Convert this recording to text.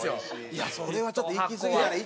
いやそれはちょっといきすぎじゃない？